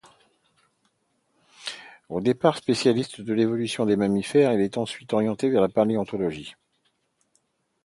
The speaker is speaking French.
Au départ spécialiste de l'évolution des mammifères, il s'est ensuite orienté vers la paléoanthropologie.